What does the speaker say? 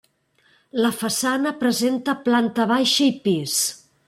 La façana presenta planta baixa i pis.